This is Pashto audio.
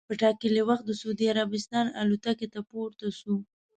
په ټا کلي وخت د سعودي عربستان الوتکې ته پورته سو.